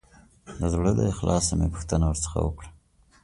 د زړه له اخلاصه مې پوښتنه ورڅخه وکړه.